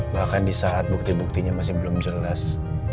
bahkan di saat bukti buktinya masih belum jelas